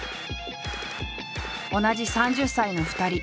同じ３０歳の２人。